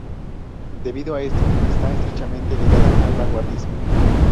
Debido a esto está estrechamente ligada al vanguardismo.